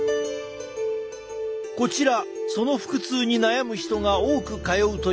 こちらその腹痛に悩む人が多く通うという病院。